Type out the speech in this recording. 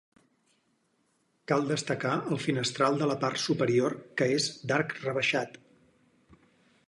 Cal destacar el finestral de la part superior que és d’arc rebaixat.